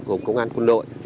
gồm công an quân đội